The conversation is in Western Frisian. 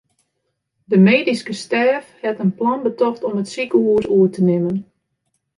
De medyske stêf hat in plan betocht om it sikehûs oer te nimmen.